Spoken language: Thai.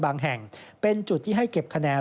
แห่งเป็นจุดที่ให้เก็บคะแนน